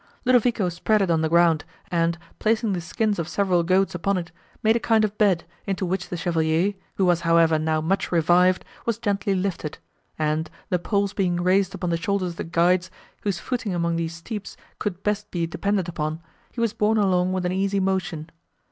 Ludovico spread it on the ground, and, placing the skins of several goats upon it, made a kind of bed, into which the Chevalier, who was however now much revived, was gently lifted; and, the poles being raised upon the shoulders of the guides, whose footing among these steeps could best be depended upon, he was borne along with an easy motion.